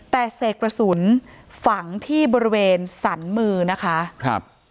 แต่เสกกระสุนฝังที่บริเวณสรรมือนะคะครับ